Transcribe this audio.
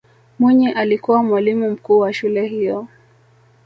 mwinyi alikuwa mwalimu mkuu wa shule hiyo